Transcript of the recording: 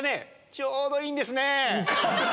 ちょうどいいんですね。